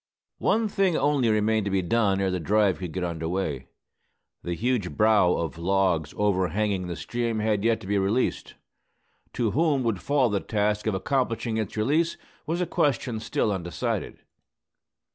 One thing only remained to be done ere the drive could get under way. The huge "brow" of logs over hanging the stream had yet to be released. To whom would fall the task of accomplishing its release, was a question still undecided.